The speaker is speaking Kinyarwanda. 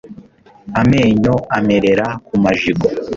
amenyo amerera ku majigo